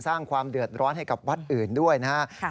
สร้างความเดือดร้อนให้กับวัดอื่นด้วยนะครับ